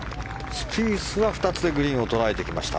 スピースは２つでグリーンを捉えてきました。